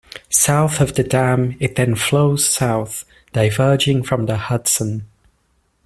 South of the dam, it then flows south, diverging from the Hudson.